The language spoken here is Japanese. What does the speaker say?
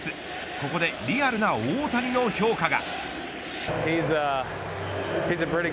ここでリアルな大谷の評価が。